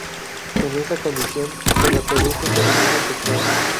En esa condición se reproducen de manera sexual.